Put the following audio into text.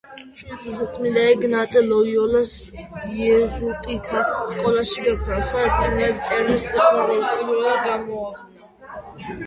შვიდი წლისა წმინდა ეგნატე ლოიოლას იეზუიტთა სკოლაში გაგზავნეს, სადაც წიგნების წერის სიყვარული პირველად გამოავლინა.